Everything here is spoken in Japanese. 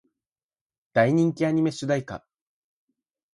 大人気アニメ主題歌